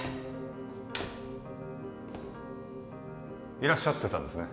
いらっしゃってたんですね